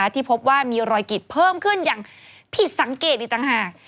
ที่พบว่ามีรอยกิดเพิ่มขึ้นอย่างผิดสังเกตอีกต่างหาก